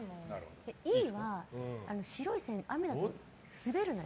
Ｅは白い線、雨だと滑るのよ。